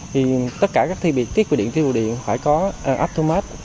thì tất cả các thiết bị điện thiết bị điện phải có app to match